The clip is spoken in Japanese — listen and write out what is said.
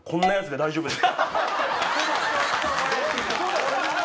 大丈夫ですか？